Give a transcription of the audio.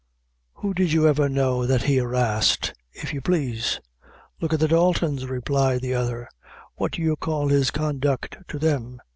"Who did you ever know that he harrished, i' you please?" "Look at the Daltons," replied the other; "what do you call his conduct to them?"